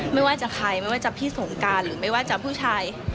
ไม่ว่าจะใครไม่ว่าจะพี่สงการหรือไม่ว่าจะผู้ชาย